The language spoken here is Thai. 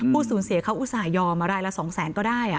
ผู้สูญเสียเขาอุตส่าหยอมรายละ๒แสนก็ได้